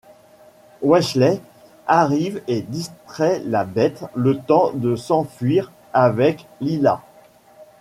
Wesley arrive et distrait la Bête le temps de s'enfuir avec Lilah.